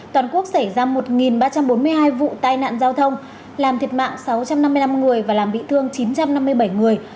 toàn quốc xảy ra một ba trăm bốn mươi hai vụ tai nạn giao thông làm thiệt mạng sáu trăm năm mươi năm người và làm bị thương chín trăm năm mươi bảy người